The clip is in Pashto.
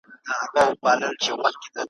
څو ساعته به په غار کي پټ وو غلی ,